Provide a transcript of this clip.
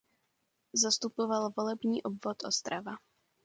Zastupoval volební obvod Ostrava.